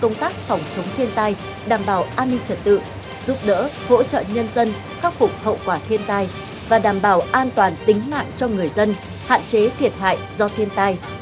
công tác phòng chống thiên tai đảm bảo an ninh trật tự giúp đỡ hỗ trợ nhân dân khắc phục hậu quả thiên tai và đảm bảo an toàn tính mạng cho người dân hạn chế thiệt hại do thiên tai